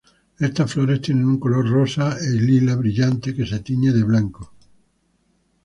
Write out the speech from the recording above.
Estas flores tienen un color rosa a lila brillante que se tiñe de blanco.